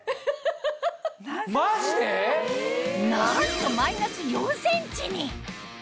マジで⁉なんとマイナス４ｃｍに！